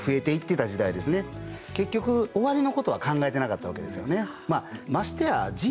結局終わりのことは考えてなかったわけですよね。